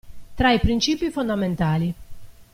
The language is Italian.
Tra i principi fondamentali.